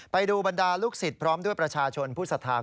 ไปดูบรรดาลูกศิษย์พร้อมด้วยประชาชนผู้สัทธา